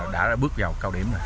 đã bước vào cao điểm